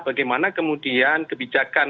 bagaimana kemudian kebijakan